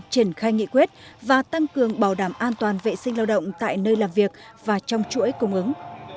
triển khai nghị quyết và tăng cường bảo đảm an toàn vệ sinh lao động tại nơi làm việc và trong chuỗi cung ứng